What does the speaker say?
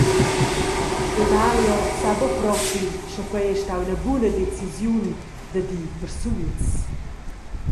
Emalio sa buca propi, sche quei ei stau ina buna decisiun dad ir persuls.